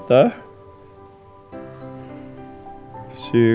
lagi pengen ketemu sama aku